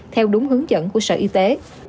theo đúng hướng dẫn của sở y tế